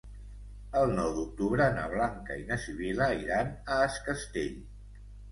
El nou d'octubre na Blanca i na Sibil·la iran a Es Castell.